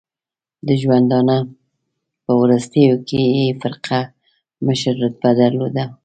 د ژوندانه په وروستیو کې یې فرقه مشر رتبه درلوده.